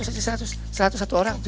seratus aja seratus seratus satu orang